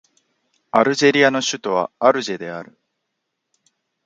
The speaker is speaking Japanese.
アルジェリアの首都はアルジェである